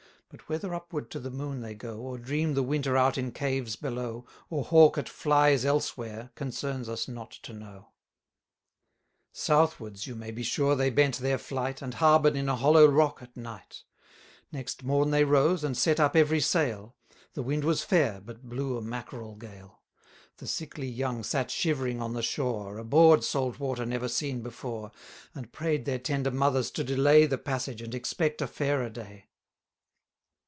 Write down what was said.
But whether upward to the moon they go, 450 Or dream the winter out in caves below, Or hawk at flies elsewhere, concerns us not to know. Southwards, you may be sure, they bent their flight, And harbour'd in a hollow rock at night: Next morn they rose, and set up every sail; The wind was fair, but blew a mackerel gale: The sickly young sat shivering on the shore, Abhorr'd salt water never seen before, And pray'd their tender mothers to delay The passage, and expect a fairer day.